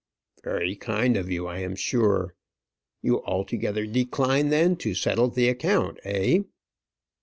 "Very kind of you, I am sure. You altogether decline then to settle the account, eh?"